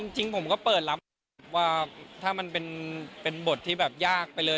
จริงผมก็เปิดรับว่าถ้ามันเป็นบทที่แบบยากไปเลย